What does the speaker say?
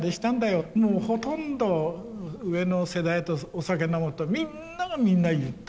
もうほとんど上の世代とお酒飲むとみんながみんな言った。